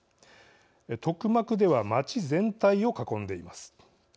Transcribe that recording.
トクマクでは町全体を囲んでいます。